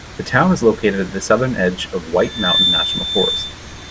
The town is located at the southern edge of the White Mountain National Forest.